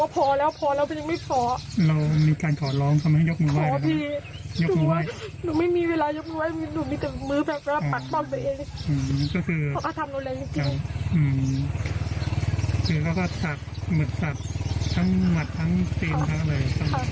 พวกเขาทำโดยยมจริงผู้ชายมาดผักสับหมึกสับทั้งหมดทั้งกลิ่นทั้งอะไร